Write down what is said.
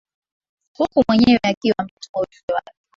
huku mwenyewe akiwa ametuma ujumbe wake